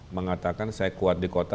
mengatakan saya kuat di kota